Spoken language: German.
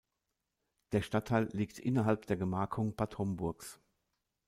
Der Stadtteil liegt innerhalb der Gemarkung Bad Homburgs.